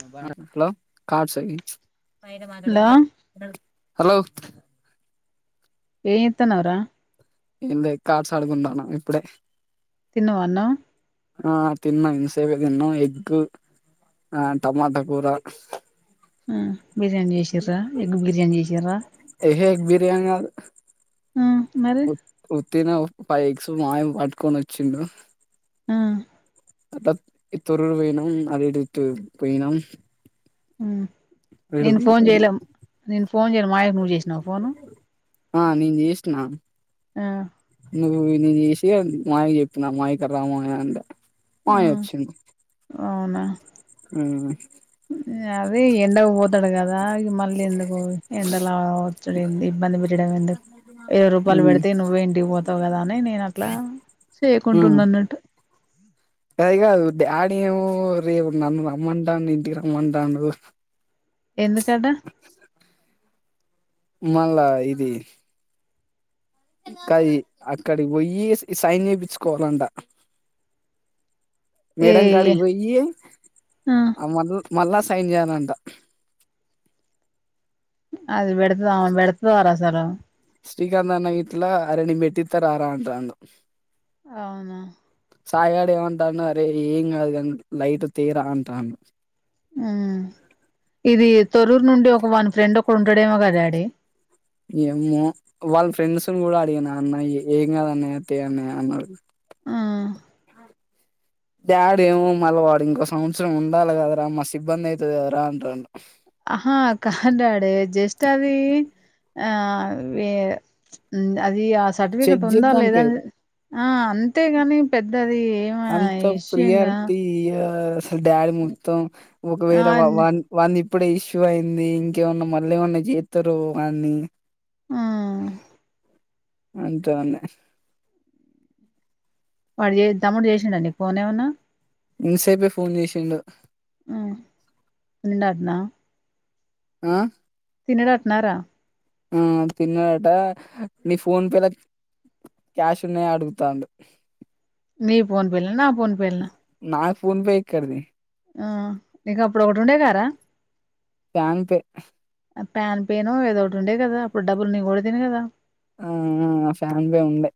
Hello hello hello ఏనేత్తనవ్ రా? ఏంలే కాట్స్ ఆడుకుందన్నా ఇప్పుడే తిన్నవాన్నం? ఆ తిన్న ఇన్సేపే తిన్నం ఎగ్గు, ఆ టమాటా కూర ఆహ్ బిర్యానీ చేసిర్రా. ఎగ్ బిర్యానీ చేసిర్రా? ఏహే ఎగ్ బిర్యానీ గాదు ఆ మరి ఉ ఉత్తినే పై ఎగ్స్ మ్యోయం పట్టుకొని వచ్చిండు. ఆ తాత ఈ తొర్రూర్ పోయనాం. మల్లితూ ఇతిటు పోయినాం. ఉహ్ అటు నేను పోయి ఫోన్ చెయ్యలేం. నేను ఫోన్ చెయ్యలే మాయన్కు నువ్వు జెష్నావా ఫోను. ఆ నీన్ జెస్కున ఆ నువ్వు నేన్ చేసి మాయాక్ చెప్పిన. మొయ్యీక రా మోయా అంటే ఆ మాయ వచ్చిండ్ అవునా ఉహ్ హు ఉహ్ హే ఇంగ అవే ఎండకు పోతాడు గాదా. మళ్ళీ ఎందుకు ఎండలా వచ్చుడు ఏంది. ఇబ్బంది పెట్టడంమే దుక్ ఇరవై రూపాయలు మ్మ్ పెడితే నువ్వే ఇటికి పోతావు గదా అని. నేను అట్లా సేయకుంటున్నాన్నట్టు. గాది గాదు డాడీ ఏమో రేపు నన్ను రమ్మంటండూ, ఇంటికి రమ్మంటండూ. ఎందుకటా. మళ్ళా ఇది అక్కడికి పోయి సైన్ చేపించుకోవాలంట ఏ మేడం ఏ కాడికీ పొయ్యి ఆ ఆమ మళ్ళా సైన్ చేయాలంట అది పెడతద ఆమె పెడతాద రా అసలు శ్రీకాంత్ అన్న గిట్ల అరె నేన్ పెట్టిత్త రారా అంటాండు అవునా సాయి గాడ్ ఏమంటన్నాడు ఏం గాదు రా లైట్ తెర అంటాన్నాడు మ్మ్ ఇది తొరూరు నుండి ఒక వాని ఫ్రెండ్ ఒకడు ఉండాడేమో కదా డాడీ ఏమో వాళ్ళ ఫ్రెండ్స్ ని గూడ అడిగిన అన్న ఏం కాదన్నయ్య తె అన్నయ్య అన్నడు మ్మ్ వాడు ఏమో మళ్ళీ వాడు ఇంకో సంవత్సరం ఉండాల కదరా మస్త్ ఇబ్బంది అయితాది కదరా అంటాండు ఆహా కాద్ డాడీ జస్ట్ అవి ఆ వే అది ఆ చెక్ సర్టిఫికెట్ ఉందా లేద చేద్దానికే అనేది ఆ అంతేగని పెద్దది ఏమ్ అంత విషయంగా ప్రియారిటీ అసలు డాడీ మొత్తం ఆ ఒకవేళ న్ వాన్ వాన్నీ ఇప్పుడ ఇష్యూ అయింది ఇంకేమన్నా మళ్ళీ ఏమన్నా జేత్తారో అనీ మ్మ్ ఇంకా ఏమన్నా వాడు చె నీ తమ్ముడు జెసిండ నీకు ఫోన్ ఏమన్నా ఇన్స్ పే ఫోన్ చేసిండు మ్మ్ ఉందాట్న ఆ తినడ అట్నారా మ్మ్ తిన్నాడట నీ ఫోన్ పేలో క్యాష్ ఉన్నయ అడుగుతాండు నీ ఫోన్ పే లో నా ఫోన్ పే లోనా నాకు ఫోన్ పే ఎక్కడిది మ్మ్ ఇక అప్పుడు ఒకటి ఉండే కదరా ప్యాన్ పే ప్యాన్ పేనొ ఏదో ఒకటి ఉండే కదా అప్పుడు డబ్బులు నీను కొడతిని కదా ఆ ఫ్యాన్ పే ఉండే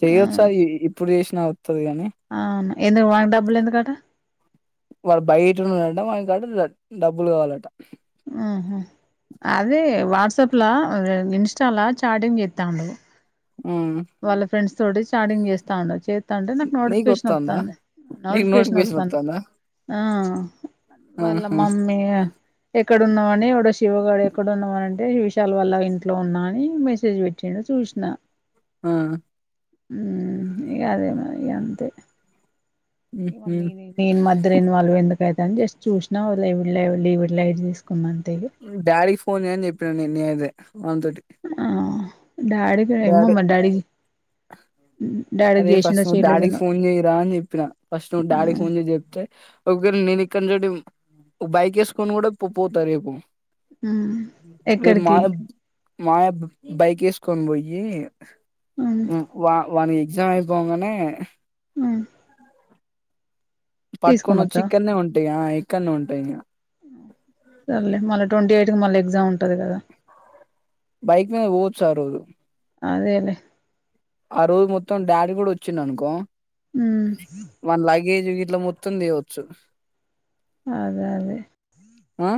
చేయచ్చా ఇప్పుడు చేసినా వత్తది కాని ఆ మ ఎందుకు వానికి డబ్బులు ఎందుకాట వాడు బయటఉన్నాడంట వానికంట డబ్బులు కావాలట ఉహు అదే వాట్సాప్లా ఇన్స్టా లా చాటింగ్ చెత్తండు ఆ, వాళ్ళ ఫ్రెండ్స్ తోటి చాటింగ్ చేస్తాండు చూత్తంటే నాకు నీకు నోటిఫికేషన్ వత్తాందా వత్తండే నీకు నోటిఫికేషన్ వస్తాండే వత్తాందా ఆ వాళ్ళ ఆహా మమ్మీ యా ఎక్కడున్నామని ఎవడో శివగడు ఎక్కడన్నామ అంటే విశాల వల్ల ఇంట్లో ఉన్నా అని మెసేజ్ పెట్టిండు చూసిన ఆ మ్మ్ ఇగ అదే మారి అంతే ఉహు నీను మధ్యా లో ఇన్వాల్వ్ ఎందుకు ఓపెన్ చేసి చూసిన ఎవరు లే ఎళడ్ళల [unintelligible] తీసుకుమని డాడీకి ఫోన్ చేయని చెప్పినాను నేను అదే వన్ తోటి చనిపొయినాది మా మా డాడీ నే ఔను అరే ఫస్ట్ నువ్ డాడీకి చేయలేదనో ఫోన్ చేయ్యరా అని చెప్పినా ఫస్ట్ నువ్వు ఆ డాడీకి ఫోన్ చేసి చెప్తే ఒక వేళ నేను ఫోన్ చేయడమే బైక్ వేసుకొని కూడా పోతారు ఏమో ఉమ్ ఎక్కడికి రెల్నాడ్ మాబ్ బైకేసుకోన్ బొయ్యి ఉమ్ వా వాని జం అయిపోవంగనే ఉమ్ తీసుకొని పట్ట్కోనొచ్చి వస్తావా ఇక్కడనే ఉంటాయి ఆ ఇక్కడనే ఉంటాయి సర్లే మళ్ ట్వంటీ ఎయిట్ క మళ ఎగ్జామ్ ఉంటది కదా బైక్ మీద పోచ్చారు అదేలే రోజు మొత్తం డాడీ గుడొచ్చిండనుకో ఉమ్ వాని లగేజ్ ఇల్ల మొత్తం తేవచ్చు అదే అదే ఆ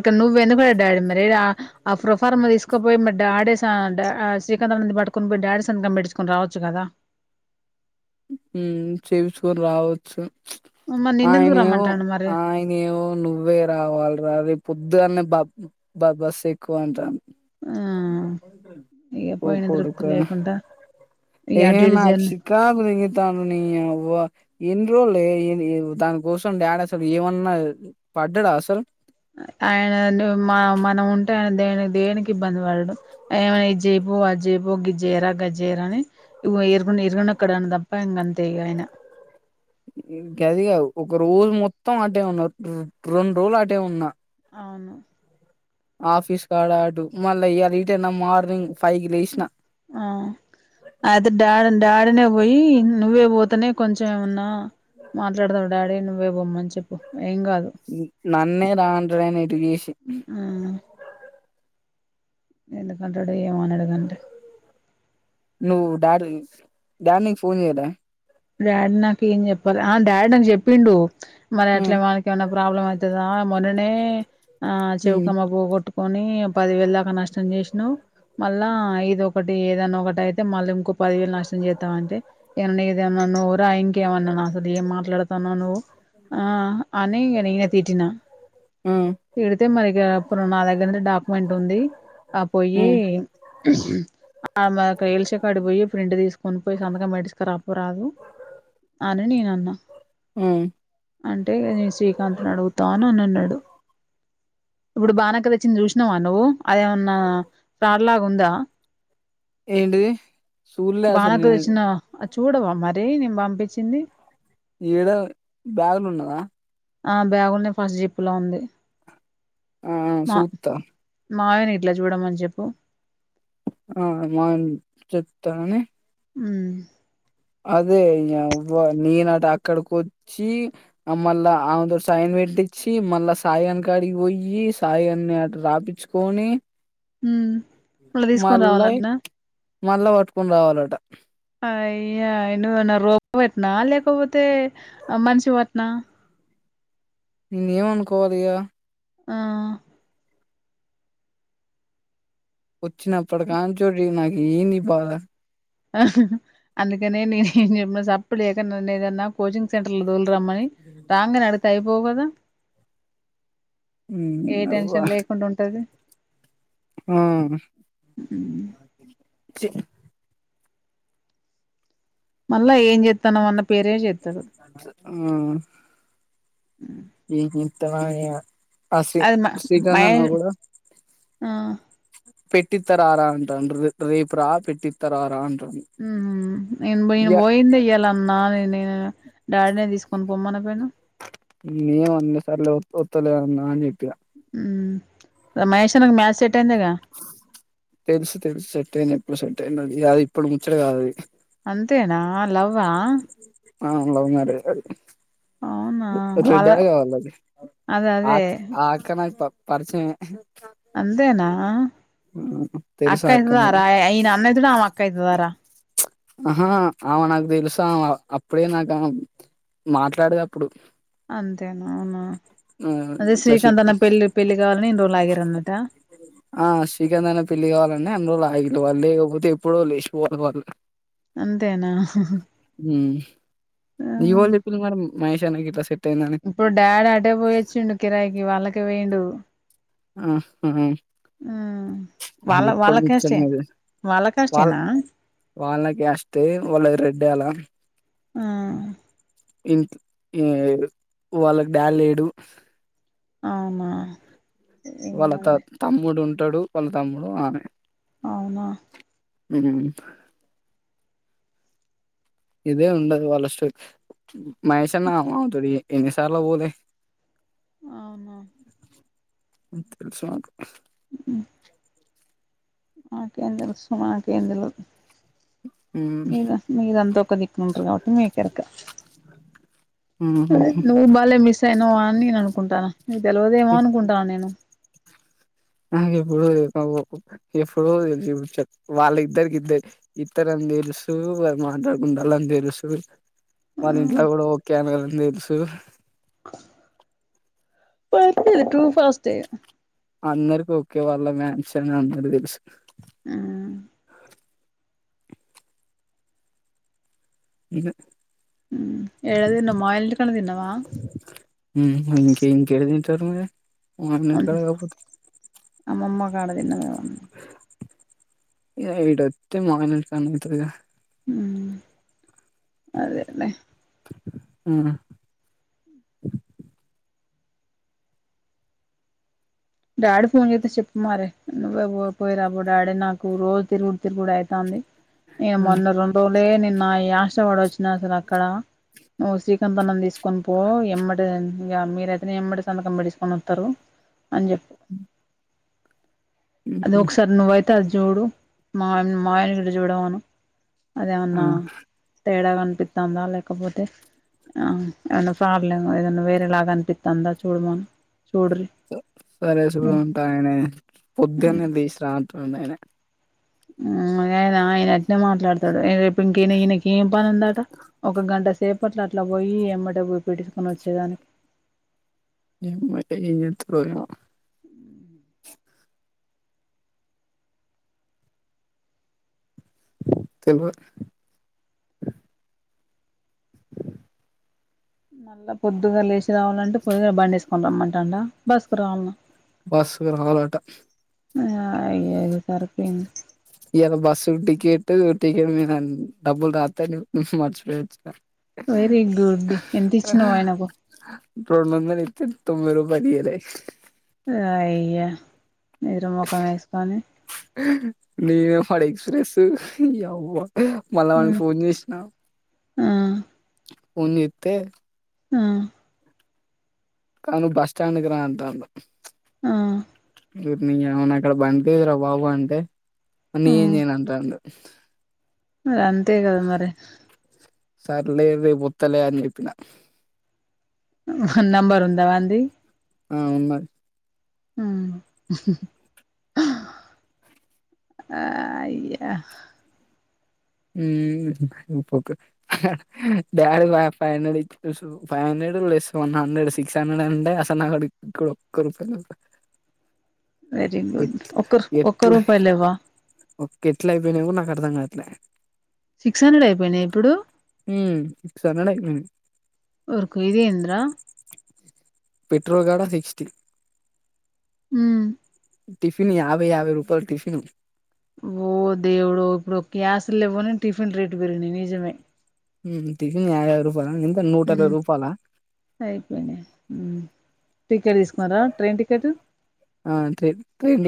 ఇక్కడ నువ్వెందుకున్ డాడీ మరి ఆ ప్రొఫార్మ్ తీసుకపోయి మ డాడే స డె శ్రీకాంతమ్మ కుని బొయ్ డాడి సంతకం పెట్చుకొని రావచ్చు గదా మ్మ్ చేపిచుకొని రావచ్చు ఉమ్ ఆయినేవో ఆయినేవో నువ్వే రావాలిరా రాది పొద్దుగాన్నే బ బ బసెక్కు అంటాను ఆ ఇక ఓ పోయిన తృప్తి కొడుక లేకుండా ఈ ఏహే అటు ఇటు నాక్ జర్నీ క్షికా తాండు నీయవ్వ ఎన్న్ రోల్లే ఏమి దాని కోసం డాడ్ అసలు ఏమన్న పడ్డడా అసలు ఆయన మనముంటే ఆయన దే దేనికి ఇబ్బంది బడడు ఇది బో అజ్జైబో గిజ్జైరా గజ్జైరా అని ఇగో ఇరుగున్ ఇరుగునక్కనండన్ ఇంకదిగాదు రోజు మొత్తం అటే ఉన్నా రొండు రోజులు అటే ఉన్నా అవును ఆఫీస్ కాడ అడు మళ్ళ ఇయాల ఇటే నా మార్నింగ్ ఫైవ్ కి లేసినా ఆ అది డాడన్ డాడినే పొయ్యి నువ్వే పోతేనే కొంచెం ఏమన్నా మాట్లాడదావు డాడీ నువ్వే పొమ్మని చెప్పు ఏం కాదు నన్నే రాండ్రన్ ఇటుగేసి ఎందుకంటడు ఏమో నడుగండే డాడ్ డాడ్ నీకు ఫోన్ చేయడా డాడీ నాకేం జెప్పలే ఆ డాడ్ నాకు జెప్పిండు మరి ఉ అట్లే వానికేన్నా ప్రాబ్లమ్ అయితా మొన్ననే ఆ ఉ చెవుకమ్మ పోగొట్టు కోని పదివేలు దాకా నష్టం చేషినవ్ మళ్ళా ఇదొకటి ఏదైన్న ఒకటైతే మళ్ళింకో పదివేలు నష్టం చేత్త అంటే అదేన్నా నోరా ఇంకేమన్నన అసలు ఏం మాట్లాడతాన్నా నువ్వు ఆ అని ఇంగ నేంగ తిట్టిన ఉ పెడితే మరిగ అప్పుడు నా దగ్గర ను డాక్యుమెంట్ ఉంది ఆ ఉ పొయ్యి ఆమె కైల్చే కాడి పొయ్యి ప్రింట్ తీస్కోని పొయ్ సంతకం పెడిసుకురా అని నేనన్న ఆ అంటే నే శ్రీకాంత్ని అడుగుతా ననన్నాడు ఇప్పుడు బానక్క తెచ్చింది చూసినావా నువ్వు అదేమన్నా ఫార్ లాగుందా ఏంటి సూర్ల అసలు నేను తెచ్చిన అది చూడవా మరి నిను పంపించింది ఈడ బ్యాగు లున్నదా ఆ బ్యాగుల్నే ఫస్ట్ జిప్పు లో ఉంది ఆ సూత్త మావైని ఇట్ల జూడమని చెప్పు ఆ మావైన్ చెప్తాని మ్మ్ అదే నీయవ్వ నేనట అక్కడికొచ్చి మళ్ళా ఆమెతోటి సైన్ పెట్టిచ్చి మళ్ళ సాయిగాని కాడికి పోయి సాయిగాన్ని అటు రాపిచ్చుకొని ఉమ్ మళ్ళ తీసుకొని మళ్ళా రావాలట్నా మళ్ళా పట్టుకొని రావాలట అయ్యా నువ్వేమైనా రోబ్ వట్నా లేకపోతే మనిషివట్నా నేను ఏమనుకోవాలి ఇగ ఆ వచ్చినప్పటి కాంచోల్లి నాకు ఏందీ బాధ అందుకనే నేనేం చెప్పిన సప్పుడుచేక నన్నేదన్న కోచింగ్ సెంటర్ల తోలు రమ్మని రాంగనె అడుగుతే అయిపోవు గదా నీ ఏ యవ్వ టెన్షన్ లేకుండ ఉంటది ఆ చీ మళ్ళ ఏం చెత్తన్నావ్ అన్న పే అట్ల ఆ ఏం చెత్తనో ఏమో ఆ శ్రీ అది మ శ్రీకాంత్ అన్న మహేష్ కూడా ఆ పెట్టిత్త రారా అంటాండు ర్ రేపురా పెట్టిత్త రారా అంట ఉమ్ ఎం పోయింద ఇయ్యాలన్నా నాదైన నీదైన ఇంకేం అన్లే సార్లే ఒత్తలే అన్నా అని చెప్పినా ఉమ్ మహేష్ అన్నకు మ్యాథ్స్ చెప్ తెలుసు తెలుసు సెట్ అయిండు ఎప్పుడో సెట్ అయిండు ఆడు ఇగ అది ఇప్పుడు ముచ్చట కాదది అంతేనా లవ్వా ఆ లవ్ మ్యారేజ్ వాడిది అవునా వాళ్ళ రెడ్యాలేగ వాళ్ళది అదే ఆ అదే ఆ ఆక్క నాకు ప పరిచయమే అంతేనా తెలుసు అక్క ఆ నాకు ఐతదారా ఈయన అన్నయితడు ఆమె అక్క అయితదారా ఆహా ఆమ నాకు తెలుసామా అప్పుడే నాకామ మాట్లాడేది అప్పుడు అంతేనా అవునా ఆ అదే ఇట్లా సి శ్రీకాంత్ అన్న పెళ్ళి పెళ్లి కావాలని ఇన్ని రోజులు ఆగిరన్నట ఆ శ్రీకాంత్ అన్న పెళ్లి కావాలనే అన్ని రోజులు ఆగిళ్ళు వాళ్ళు లేకపోతే ఎప్పుడో లేసిపోవు వాళ్ళు అంతేనా ఉమ్ నీకెవల్ చెప్పిళ్ళు మరి మహేశ్ అన్న గిట్ల సెట్ అయిందని? ఇప్పుడు డాడి అటే పోయి వచ్చిండు కిరాయికి వాళ్ళకే పోయిండు ఆహ ఆ వాళ్ళ ఎప్పుడు వాళ్ళ కాస్టే ముచ్చట్నో అది వాళ్ళ వాళ్ళ క్యాస్ట్ ఏ వాళ్ళది రెడ్యాల ఆ ఇంట్ ఈ వాళ్ళకి డాడీ లేడు అవునా ఏం వాళ్ళ త కాదులే తమ్ముడు ఉంటడు వాళ్ళ తమ్ముడు ఆమె అవునా ఉమ్ ఇదే ఉండదు వాళ్ళష్ట మహేశన్న వాళ్ళతోటి ఎన్నిసార్ల పోలే అవునవును తెలుసు నాకు మాకేం తెల్సు మాకేం తెల్వద్ హ్మ్. మీరా మీరంత ఒక దిక్కున ఉంటరు కాబట్టి మీకెరక హుహు. [inaudible] నువ్వు బలే మిస్ అయినవా అని నేను అనుకుంటాన నీకు తెలవదేమో అనుకుంటాన నేను అ ఎప్పుడు ఇప్పుడు చ వాళ్ళ ఇద్దరికిద్ద ఇతరం తెలుసు వాళ్లు మాట్లాడుకుంటాళ్లు అని తెలుసు వాళ్ళ ఇంట్ల కూడా ఓకే అన్నారని తెలుసు [inaudible] పర్లేదు టూ ఫాస్ట్ అందరికి ఒకే వాళ్ళ మ్యాన్స్ అని అందరికీ తెలుసు ఆ ఇను ఏడ తిన్నావ్ మా ఇంటికాడ తిన్నావా ఇంక ఇంకడాతే చర్ముదే అమ్మమ్మ కాడ తిన్నదేమో ఇగ ఇటు వస్తే మామయుల్లా ఇంటికాడనే ఉంటదిగా అదేలే ఆ డాడీ ఫోన్ చేస్తే చెప్పు మారే నువ్వే పో పోయి రాపో డాడీ నాకు రోజు తిరుగు తిరుగుడు అవుతంది ఇగ మొన్న రెండ్రోలె నిన్న నా ఆయాష్టవాడ వచ్చినా అసలు అక్కడ నువ్వు శ్రీకాంత అన్న తీసుకొని పో ఎమ్మటె ఇంక మీర అయితేనే ఎమ్మటే సంతకం పెట్టించుకుని వస్తారు అని చెప్ అ [unintelligible] అది ఒకసారి నువ్వైతే అది చూడు మా మామయ్యని కూడా చూడమాను ఆ అదేమన్నా తేడాగా అనిపిస్తాందా లేకపోతే ఆ ఏదన్నా ప్రాబ్లం ఏదన్నా వేరేలాగా అనిపిస్తాఅందా చూడుమను సరే చూడు ఉంటా ఆయన పొద్దున్నే తీసిరా అంటుండు ఆయనే యన ఆయనే అట్నే మాట్లాడతాడు ఈన ఈయనకి ఏం పని ఉందట ఒక గంట సేపట్ల అట్లా పోయి ఎమ్మటే పెట్టించుకొని వచ్చేదానికి ఏం చేస్తాడో ఏమో తెలవదు మళ్ళా పొద్దుగాల లేచి రావాలంటే పొద్దుగాల బండి వేసుకుని రమ్మంటాండా బస్సుకు రావాల్నా బస్సుకు రావాలట ఆ అయ్యయ్యో సరిపోయింది ఇయ్యాల బస్సు టికెట్ టికెట్ మీద డబ్బులు రాత్తే నేన్ మర్చిపోయావొచ్చిన వెరీ గుడ్ ఎంత ఇచ్చినవ్ ఆయనకు రెండు వందలు ఇస్తే తొంభై రూపాలు ఇయ్యలే అయ్యా నిద్ర మొఖం వేసుకొని నే వాడు ఎక్స్ప్రెస్ అ మళ్ళా ఆ వానికి ఫోన్ చేసినా ఆ ఫోన్ చేస్తే ఉమ్ కాను బస్టాండ్కు రా అంటాండు ఆ రేపు నీ అవ్వ నా కాడ బండి లేదురా బాబు అంటే మరి నేనేం చేయ అంటాండు అంతే కదా మరే సర్లే రేపు వస్తలే అని చెప్పిన నంబర్ ఉందా వానిది ఆ ఉన్నది ఉమ్ ఆ అయ్యా డాడీ ఫైవ్ హండ్రెడ్ ఇచ్చు ఫైవ్ హండ్రెడ్ [unintelligible] అన్న వన్ హండ్రెడ్ సిక్స్ హండ్రెడ్ అంటే అసలు నాకాడా ఇక్కడ ఒక్క రూపాయి లేదు. వెరీ గుడ్ ఎట్ ఒక్క ఒక్క ఎట్ల రూపాయి లేవా ఒకే ఎట్లా అయిపోయినయో కూడా నాకు అర్థం కా ట్లె సిక్స్ హండ్రెడ్ ఐపేయ్నాయ ఇప్పుడు ఉమ్ సిక్స్ హండ్రెడ్ అయిపోయింది ఒరకో ఇదేంద్రా? పెట్రో కాడ సిక్స్టీ ఉమ్ టిఫిని యాభై యాభై రూపాల్ టిఫిను ఓ దేవుడో ఇప్పుడు గ్యాస్లు లేవ్వని టిఫిన్ రేట్లు పెరిగినయి నిజమే ఊహు టిఫిన్ యాభైఐదు రూపాలు అంటే నూటఇరవై రూపాల అయిపోయినయ్ టికెట్ తీసుకున్నారా ట్రైన్ టికెటు ఆ ట్రైన్ ట్రైన్